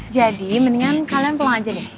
jadi mendingan kalian pulang aja deh